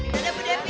dadah bu devi